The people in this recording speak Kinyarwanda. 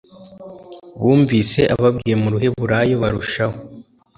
bumvise ababwiye mu ruheburayo barushaho